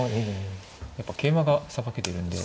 やっぱ桂馬がさばけているんで。